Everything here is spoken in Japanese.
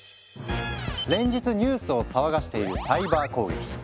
連日ニュースを騒がしているサイバー攻撃。